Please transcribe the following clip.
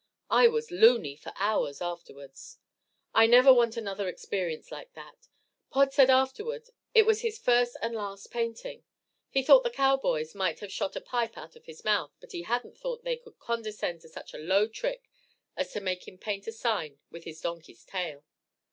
I was "loony" for hours afterwards. I never want another experience like that. Pod said afterward it was his first and last painting. He thought the cowboys might have shot a pipe out of his mouth, but he hadn't thought they could condescend to such a low trick as to make him paint a sign with his donkey's tail.